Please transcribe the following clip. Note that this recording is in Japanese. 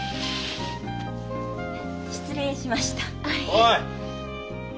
・おい！